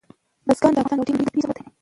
بزګان د افغانستان یو ډېر لوی طبعي ثروت دی.